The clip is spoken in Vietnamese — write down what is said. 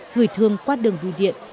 người thương quát đường vui điện